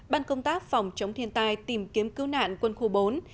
ban công tác phòng chống thiên tai tìm kiếm cứu nạn quân khu bốn